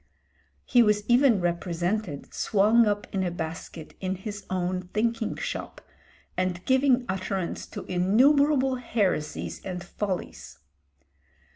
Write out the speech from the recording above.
He was even represented swung up in a basket in his own thinking shop and giving utterance to innumerable heresies and follies.